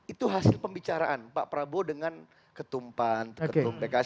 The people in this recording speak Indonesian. itu hasil pembicaraan pak prabowo dengan ketumpan ketum pks